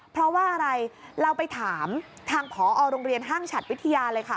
เพราะว่าอะไรเราไปถามทางผอโรงเรียนห้างฉัดวิทยาเลยค่ะ